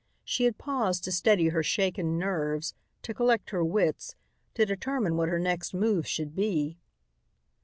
She had paused to steady her shaken nerves, to collect her wits, to determine what her next move should be.